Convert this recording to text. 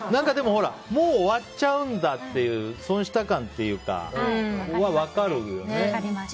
でももう終わっちゃうんだっていう損した感っていうかは分かるよね。